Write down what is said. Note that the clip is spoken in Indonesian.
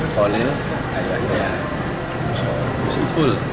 kau lihat ayahnya gus ibul